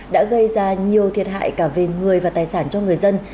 đã gây ra nhiều thiệt hại cả về người và tài sản cho người dân